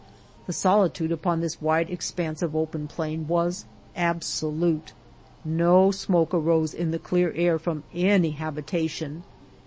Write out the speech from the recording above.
The solitude upon this wide expanse of open plain was absolute. No smoke arose in the clear air fromi any habitation.